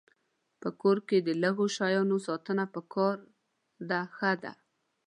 په کور کې د لږو شیانو ساتنه پکار ده ښه ده.